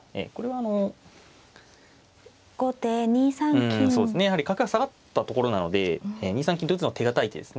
うんそうですねやはり角が下がったところなので２三金と打つのは手堅い手ですね。